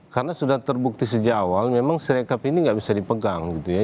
karena sudah terbukti sejak awal memang sirekap ini tidak bisa dipegang gitu ya